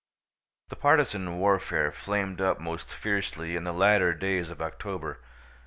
The partisan warfare flamed up most fiercely in the latter days of October.